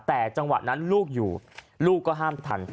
แต่จังหวะนั้นลูกอยู่ลูกก็ห้ามทัน